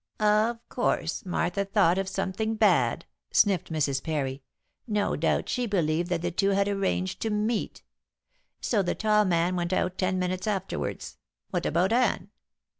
"Of course, Martha thought of something bad," sniffed Mrs. Parry; "no doubt she believed that the two had arranged to meet. So the tall man went out ten minutes afterwards. What about Anne?"